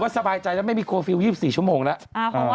ผมก็สบายใจแล้วไม่มีโคฟิล๒๔ชั่วโมงแล้ว